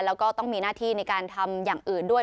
แล้วก็ต้องมีหน้าที่ในการทำอย่างอื่นด้วย